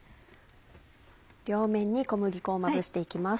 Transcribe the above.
両面に小麦粉をまぶして行きます。